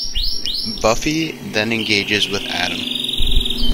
Buffy then engages with Adam.